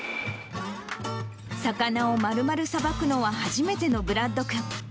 魚をまるまるさばくのは初めてのブラッド君。